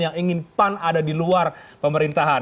yang ingin pan ada di luar pemerintahan